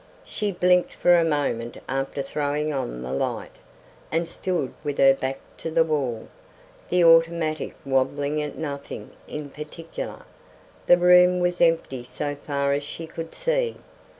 She blinked for a moment after throwing on the light, and stood with her back to the wall, the automatic wabbling at nothing in particular. The room was empty so far as she could see.